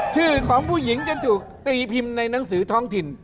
ชื่อของผู้หญิงจะถูกตีพิมพ์ในหนังสือท้องถิ่น